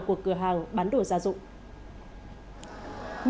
của cửa hàng bán đồ gia dụng